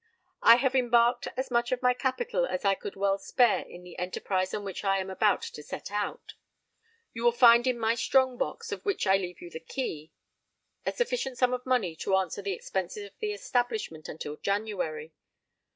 I have embarked as much of my capital as I could well spare in the enterprise on which I am about to set out: you will find in my strong box, of which I leave you the key, a sufficient sum of money to answer the expenses of the establishment until January.